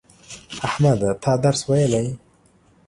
احمده تا درس ویلی